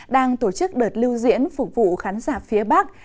đang tổ chức đợt lưu diễn phục vụ khán giả phía bắc